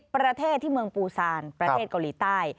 ประเทศที่เมืองปูซานประเทศเกาหลีใต้